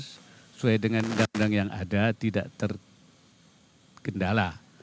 sesuai dengan undang undang yang ada tidak terkendala